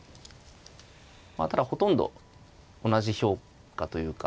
まあただほとんど同じ評価というか。